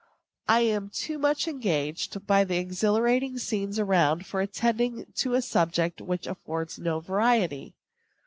I am too much engaged by the exhilarating scenes around for attending to a subject which affords no variety.